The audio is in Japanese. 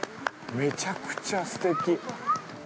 めちゃくちゃすてき。